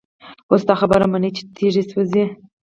اوس دا خبره هم مني چي تيږي سوزي،